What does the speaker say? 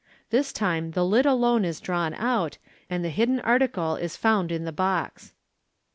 This time the lid alone is drawn out, and tht> hidden article is found in the box.